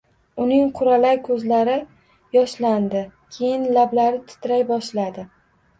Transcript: Uning quralay ko`zlari yoshlandi, keyin lablari titray boshladi